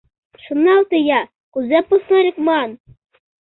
Шоналте-я, кузе посна лекман?